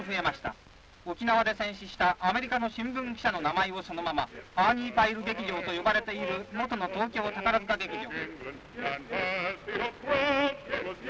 沖縄で戦死したアメリカの新聞記者の名前をそのままアーニーパイル劇場と呼ばれている元の東京宝塚劇場」。